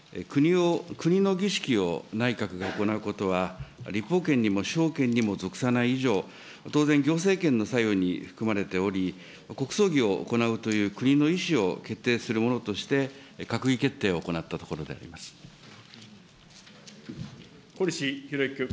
国の儀式を内閣が行うことは立法権にも司法権にも属さない以上、当然、行政権のに含まれており、国葬儀を行うという国の意思を決定するものとして閣議決定を行っ小西洋之君。